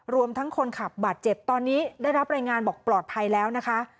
รวมทั้งคนขับบาดเจ็บตอนนี้ได้รับรายงานบอกปลอดภัยแล้วนะคะ